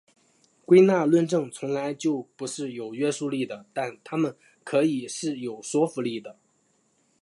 归纳论证从来就不是有约束力的但它们可以是有说服力的。